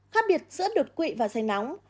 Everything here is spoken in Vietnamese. khác biệt giữa đột quỵ và dây nóng